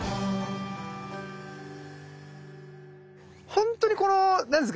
ほんとにこの何ですか